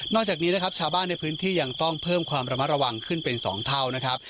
จากนี้นะครับชาวบ้านในพื้นที่ยังต้องเพิ่มความระมัดระวังขึ้นเป็น๒เท่านะครับ